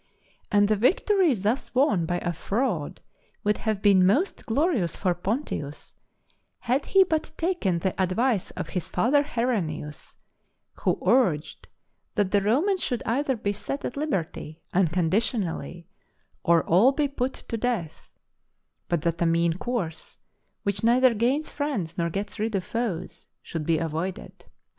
And the victory thus won by a fraud would have been most glorious for Pontius had he but taken the advice of his father Herennius, who urged that the Romans should either be set at liberty unconditionally, or all be put to death; but that a mean course "which neither gains friends nor gets rid of foes" should be avoided.